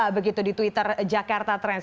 begitu di twitter jakarta trans